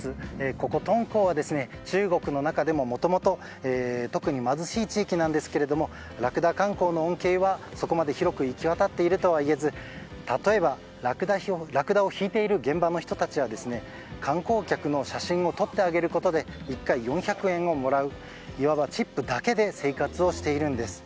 ここ敦煌は中国の中でももともと特に貧しい地域なんですがラクダ観光の恩恵はそこまで広く行き渡っているとはいえず例えば、ラクダを引いている現場の人たちは観光客の写真を撮ってあげることで１回４００円をもらういわばチップだけで生活をしているんです。